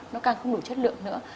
nó càng không đủ chất lượng nữa